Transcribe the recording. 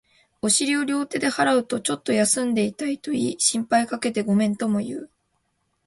お尻を両手で払うと、ちょっと休んでいたと言い、心配かけてごめんとも言う